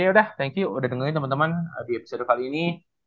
ya udah thank you udah dengerin teman teman di episode kali ini